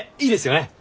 いいですよね？